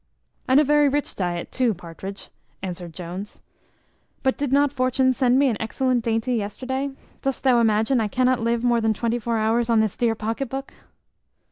"And a very rich diet too, Partridge," answered Jones. "But did not fortune send me an excellent dainty yesterday? Dost thou imagine I cannot live more than twenty four hours on this dear pocket book?"